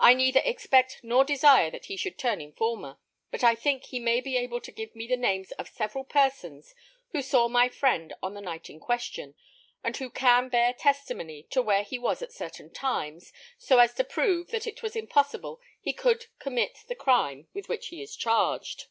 "I neither expect nor desire that he should turn informer; but I think he may be able to give me the names of several persons who saw my friend on the night in question, and who can bear testimony to where he was at certain times, so as to prove that it was impossible he could commit the crime with which he is charged."